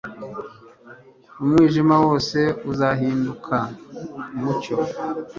umwijima wose uzahinduka umucyo